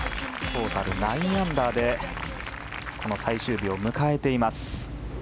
トータル９アンダーで最終日を迎えています。